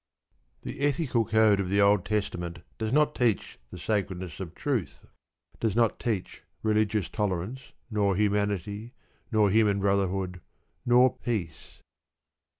The ethical code of the Old Testament does not teach the sacredness of truth, does not teach religious tolerance, nor humanity, nor human brotherhood, nor peace.